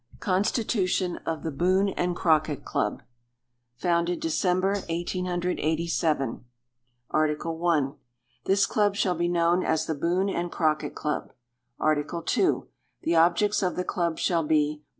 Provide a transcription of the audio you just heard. Constitution of the Boone and Crockett Club FOUNDED DECEMBER, 1887. Article I. This Club shall be known as the Boone and Crockett Club. Article II. The objects of the Club shall be 1.